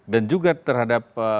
dan juga terhadap